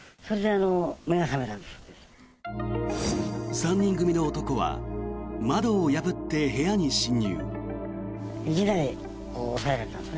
３人組の男は窓を破って部屋に侵入。